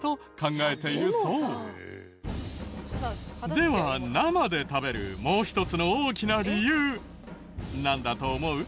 では生で食べるもう一つの大きな理由なんだと思う？